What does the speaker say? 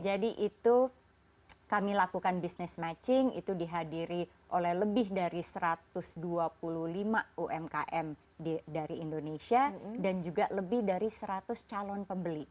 jadi itu kami lakukan business matching itu dihadiri oleh lebih dari satu ratus dua puluh lima umkm dari indonesia dan juga lebih dari seratus calon pembeli